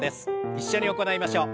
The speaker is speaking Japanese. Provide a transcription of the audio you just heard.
一緒に行いましょう。